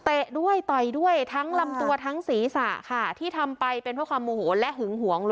ด้วยต่อยด้วยทั้งลำตัวทั้งศีรษะค่ะที่ทำไปเป็นเพราะความโมโหและหึงหวง